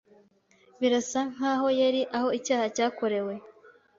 Birasa nkaho yari aho icyaha cyakorewe.